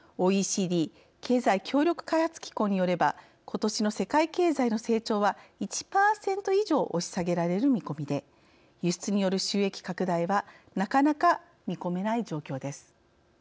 ＯＥＣＤ＝経済協力開発機構によればことしの世界経済の成長は１％以上押し下げられる見込みで輸出による収益拡大はなかなか見込めない状況です。